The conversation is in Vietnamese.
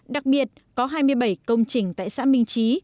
đặc biệt có hai mươi bảy công trình tại xã minh trí